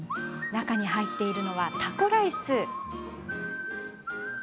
中に入っているのは、タコライス。